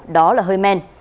đó là hơi men